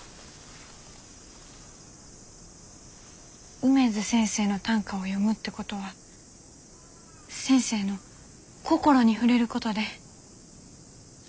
梅津先生の短歌を読むってことは先生の心に触れることで。